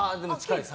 近いです